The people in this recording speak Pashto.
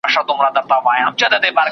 په څېړنه کې حواله ورکول د امانتدارۍ نښه ده.